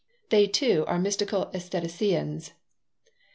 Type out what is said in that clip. They too are mystical aestheticians.